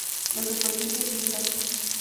La superficie es lisa.